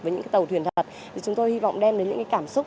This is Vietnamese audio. với những tàu thuyền thật chúng tôi hy vọng đem đến những cảm xúc